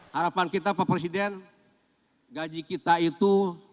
harapan kita pak presiden gaji kita itu